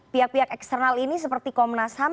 pihak pihak eksternal ini seperti komnas ham